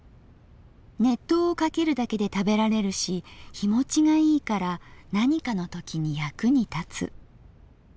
熱湯をかけるだけで食べられるし日保ちがいいから何かのときに役に立つ」。